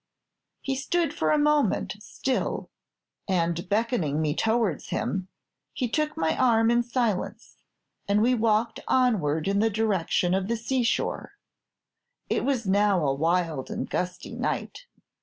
"He stood for a moment still, and beckoning me towards him, he took my arm in silence, and we walked onward in the direction of the sea shore. It was now a wild and gusty night.